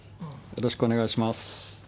よろしくお願いします。